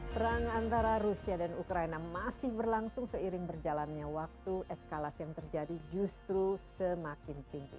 perang antara rusia dan ukraina masih berlangsung seiring berjalannya waktu eskalasi yang terjadi justru semakin tinggi